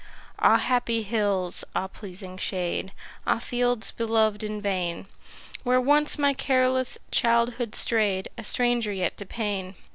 Ah, happy hills, ah, pleasing shade, Ah, fields belov'd in vain, Where once my careless childhood stray'd, A stranger yet to pain!